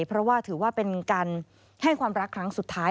เพราะว่าถือว่าเป็นการให้ความรักครั้งสุดท้าย